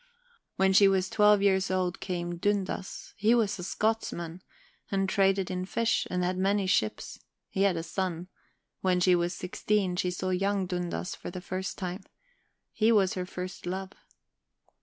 When she was twelve years old came Dundas. He was a Scotsman, and traded in fish, and had many ships. He had a son. When she was sixteen, she saw young Dundas for the first time. He was her first love...